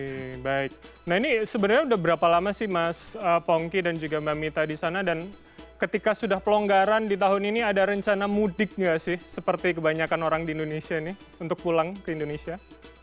oke baik nah ini sebenarnya sudah berapa lama sih mas pongki dan juga mbak mita di sana dan ketika sudah pelonggaran di tahun ini ada rencana mudik nggak sih seperti kebanyakan orang di indonesia nih untuk pulang ke indonesia